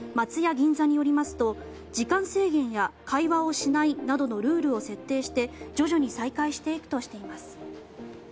銀座によりますと時間制限や、会話をしないなどのルールを設定して徐々に再開していくとしています。